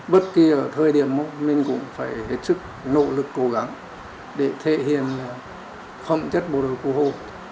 bất kỳ ở thời điểm mình cũng phải hết sức nỗ lực cố gắng để thể hiện phẩm chất bộ đội cụ hồ